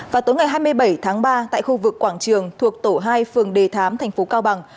vào tối ngày hai mươi bảy tháng ba tại khu vực quảng trường thuộc tổ hai phường đề thám thành phố cao bằng